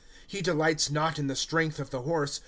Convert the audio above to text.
" He delights not in the strength of the horse.